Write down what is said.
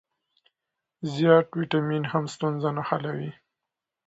زیات ویټامین هم ستونزه نه حلوي.